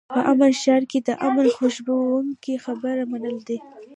په امن ښار کې د امن خوښوونکو خبره منل دي.